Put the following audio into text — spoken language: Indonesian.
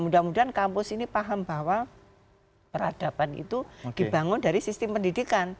mudah mudahan kampus ini paham bahwa peradaban itu dibangun dari sistem pendidikan